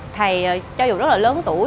thầy cho dù rất là lớn tuổi